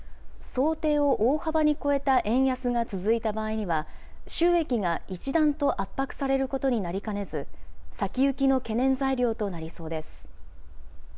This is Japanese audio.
想定を大幅に超えた円安が続いた場合には、収益が一段と圧迫されることになりかねず、先行きの懸念材料となりそうです。